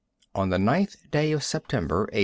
On the 9th day of September, A.